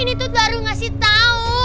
ini tuh baru ngasih tahu